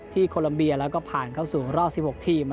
โคลัมเบียแล้วก็ผ่านเข้าสู่รอบ๑๖ทีม